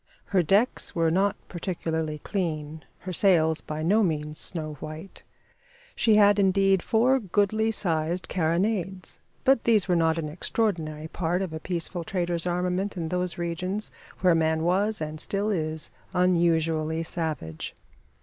Her decks were not particularly clean, her sails by no means snow white. She had, indeed, four goodly sized carronades, but these were not an extraordinary part of a peaceful trader's armament in those regions, where man was, and still is, unusually savage.